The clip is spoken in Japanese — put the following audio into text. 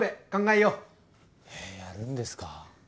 えぇやるんですか？